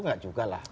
nggak juga lah